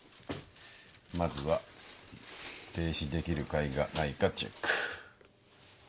まずは停止できる階がないかチェック。